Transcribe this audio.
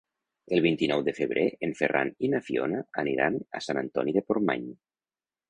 El vint-i-nou de febrer en Ferran i na Fiona aniran a Sant Antoni de Portmany.